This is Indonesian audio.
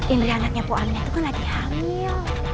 indri anaknya bu aminah itu kan lagi hamil